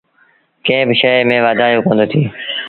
ڪݩهݩ با شئي ميݩ وآڌيو ڪوندو ٿئي۔